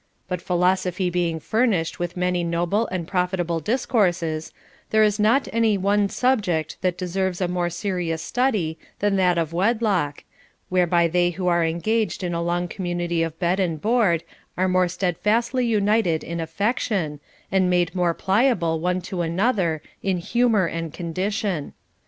But philosophy being furnished with many noble and profitable discourses, there is not any one subject that deserves a more serious study than that of wedlock, whereby they who are engaged in a long community of bed and board are more steadfastly united in affection, and made more pliable one to another in humor and condition.